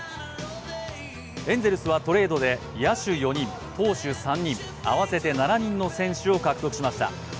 エンゼルスはトレードで野手４人、投手３人、合わせて７人の選手を獲得しました